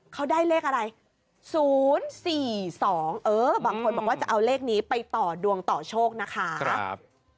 เขาได้เลขอะไร๐๔๒เออบางคนบอกว่าจะเอาเลขนี้ไปต่อดวงต่อโชคนะคะ